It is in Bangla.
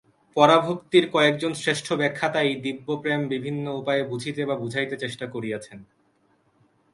পরাভক্তির কয়েকজন শ্রেষ্ঠ ব্যাখ্যাতা এই দিব্য প্রেম বিভিন্ন উপায়ে বুঝিতে বা বুঝাইতে চেষ্টা করিয়াছেন।